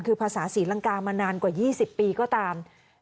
คือภาษาศรีลังกามานานกว่า๒๐ปีก็ตาม